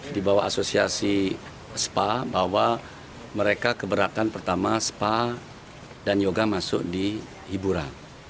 di bawah asosiasi spa bahwa mereka keberatan pertama spa dan yoga masuk di hiburan